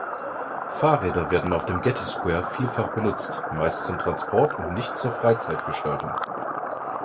Fahrräder werden auf dem Getty Square vielfach benutzt, meist zum Transport und nicht zur Freizeitgestaltung.